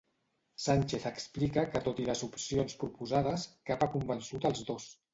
Sànchez explica que tot i les opcions proposades, cap ha convençut els dos.